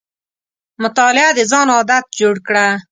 مطالعه د ځان عادت جوړ کړه.